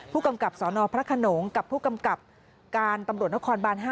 ผู้กำกับสนพระขนงกับผู้กำกับการตำรวจนครบาน๕